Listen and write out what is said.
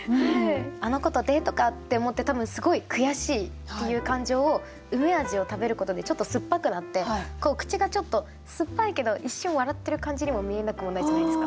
あの子とデートかって思って多分すごい悔しいっていう感情をうめ味を食べることでちょっと酸っぱくなって口がちょっと酸っぱいけど一瞬笑ってる感じにも見えなくもないじゃないですか。